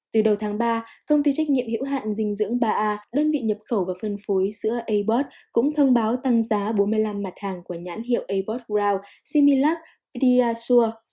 từ đầu tháng ba công ty trách nhiệm hiểu hạn dinh dưỡng ba a đơn vị nhập khẩu và phân phối sữa a bot cũng thông báo tăng giá bốn mươi năm mặt hàng của nhãn hiệu a bot ground similac dia sur